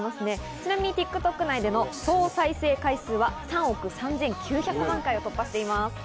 ちなみにＴｉｋＴｏｋ内での総再生回数は３億３９００万回を突破しています。